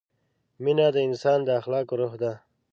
مینه د انسان د اخلاقو روح ده.